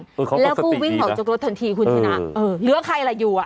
เออเขาต้องสติดีนะแล้วผู้วิ่งออกจากรถทันทีคุณที่นั้นเออเหลือใครละอยู่